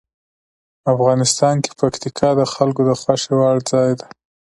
افغانستان کې پکتیا د خلکو د خوښې وړ ځای دی.